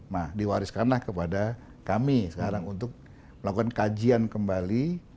nah diwariskanlah kepada kami sekarang untuk melakukan kajian kembali